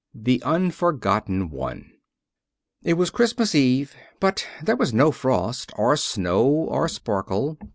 The Unforgotten One It was Christmas Eve, but there was no frost, or snow, or sparkle.